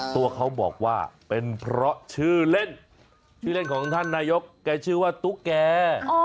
ตัวเขาบอกว่าเป็นเพราะชื่อเล่นชื่อเล่นของท่านนายกแกชื่อว่าตุ๊กแก